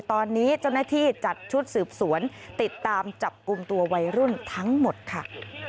ตอนนี้เจ้าหน้าที่จัดชุดสืบสวนติดตามจับกลุ่มตัววัยรุ่นทั้งหมดค่ะ